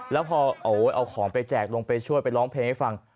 แล้วพอเอาของไปแจกลงไปช่วยไปร้องเพลงให้ฟัง